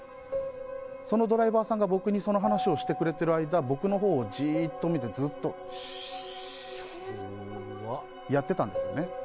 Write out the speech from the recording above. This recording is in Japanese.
そのドライバーさんが僕にその話をしてくれてる間僕のほうをじっと見てずっと、しーってやってたんです。